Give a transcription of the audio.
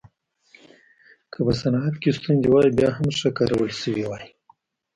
که په صنعت کې ستونزې وای بیا هم ښه کارول شوې وای.